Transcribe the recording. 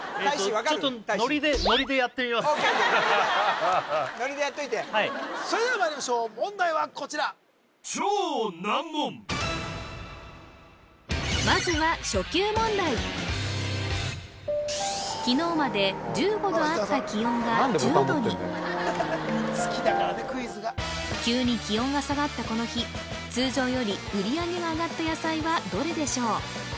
ノリでやっといてはいそれではまいりましょう問題はこちらまずは初級問題きのうまで１５度あった気温が１０度に急に気温が下がったこの日通常より売り上げが上がった野菜はどれでしょう